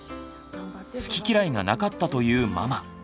好き嫌いがなかったというママ。